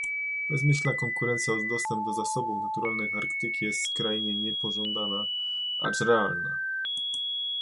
Bezmyślna konkurencja o dostęp do zasobów naturalnych Arktyki jest skrajnie niepożądana, acz realna